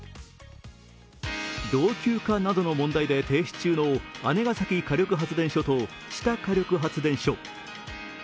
老朽化などの問題で停止中の姉崎火力発電所と知多火力発電所。